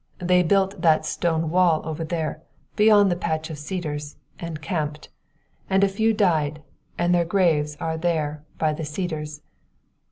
They built that stone wall over there beyond the patch of cedars, and camped. And a few died, and their graves are there by the cedars.